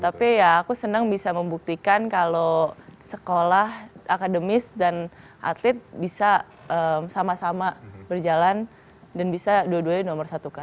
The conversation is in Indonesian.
tapi ya aku senang bisa membuktikan kalau sekolah akademis dan atlet bisa sama sama berjalan dan bisa dua duanya nomor satukan